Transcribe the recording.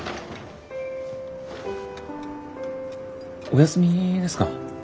お休みですか？